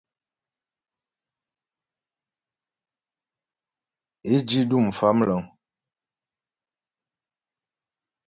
Ě tí du Famləŋ.